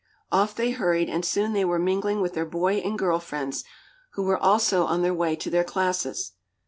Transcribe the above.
Off they hurried and soon they were mingling with their boy and girl friends, who were also on their way to their classes.